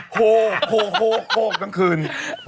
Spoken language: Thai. โภกโภกโภกโภกตั้งคืน